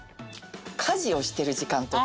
家事をしてる時間とか？